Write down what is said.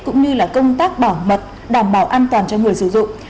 cũng như là công tác bảo mật đảm bảo an toàn cho người sử dụng